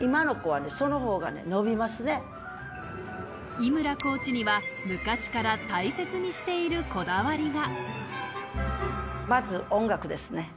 井村コーチには昔から大切にしているこだわりが。